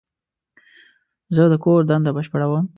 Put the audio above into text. زه د کور دنده بشپړوم.